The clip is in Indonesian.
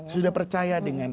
sudah percaya dengan